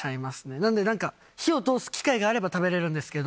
なんで、なんか、火を通す機械があれば食べれるんですけど。